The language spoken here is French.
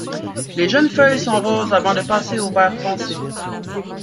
Les jeunes feuilles sont roses avant de passer au vert foncé.